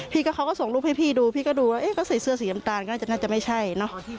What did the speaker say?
เขาก็ส่งรูปให้พี่ดูพี่ก็ดูว่าก็ใส่เสื้อสีน้ำตาลก็น่าจะไม่ใช่เนอะ